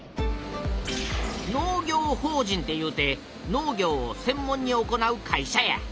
農業法人っていうて農業をせん門に行う会社や。